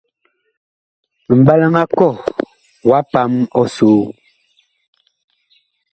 Mɓalaŋ a kɔh wa pam ɔsoo.